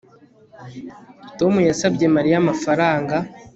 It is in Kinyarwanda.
Tom yasabye Mariya amafaranga